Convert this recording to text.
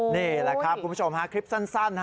นี่แหละครับคุณผู้ชมฮะคลิปสั้น